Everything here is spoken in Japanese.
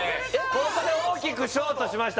ここで大きくショートしました